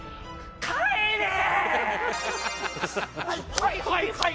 はいはいはい！